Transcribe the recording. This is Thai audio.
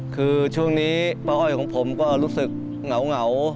คือช่วงนี้ป้าอ้อยของผมก็รู้สึกเหงา